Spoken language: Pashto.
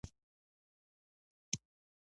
طبیعي سرچینې د ملت شتمنۍ وګڼله.